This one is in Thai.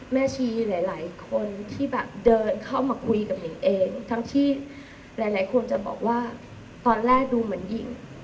ชีหลายหลายคนที่แบบเดินเข้ามาคุยกับหญิงเองทั้งที่หลายหลายคนจะบอกว่าตอนแรกดูเหมือนหญิง